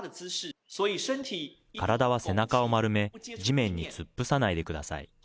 体は背中を丸め、地面に突っ伏さないでください。